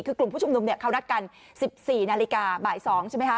คือกลุ่มผู้ชมนุมเนี้ยเขานัดกันสิบสี่นาฬิกาบ่ายสองใช่ไหมฮะ